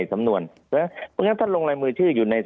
ภารกิจสรรค์ภารกิจสรรค์